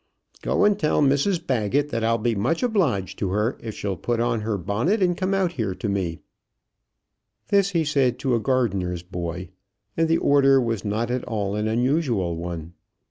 "Go and tell Mrs Baggett that I'll be much obliged to her if she'll put on her bonnet and come out to me here." This he said to a gardener's boy, and the order was not at all an unusual one.